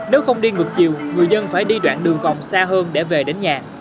nếu không đi ngược chiều người dân phải đi đoạn đường vòng xa hơn để về đến nhà